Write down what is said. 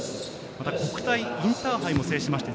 また国体、インターハイも制しました。